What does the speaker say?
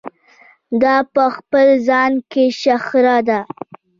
دا په خپل ځان کې شخړه ده.